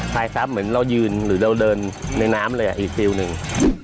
ลายทรัพย์เหมือนเรายืนหรือเราเดินในน้ำเลยอีกฟิลหนึ่ง